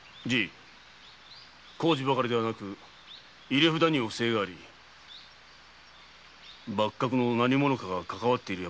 工事ばかりでなく入れ札にも不正があり幕閣の何者かがかかわっているやもしれんのだ。